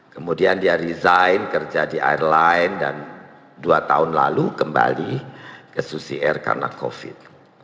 kemudian dia resign kerja di airline dan dua tahun lalu kembali ke susi air karena covid